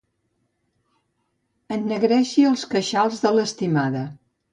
Ennegreixi els queixals de l'estimada.